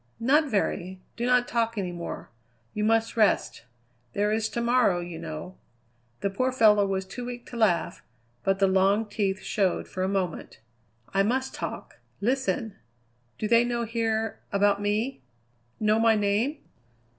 "Not very. Do not talk any more. You must rest. There is to morrow, you know." The poor fellow was too weak to laugh, but the long teeth showed for a moment. "I must talk. Listen! Do they know here about me? know my name?"